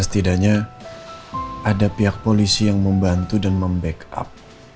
ya setidaknya ada pihak polisi yang membantu dan memback up